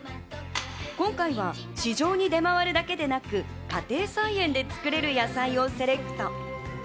今回は市場に出回るだけでなく家庭菜園で作れる野菜をセレクト。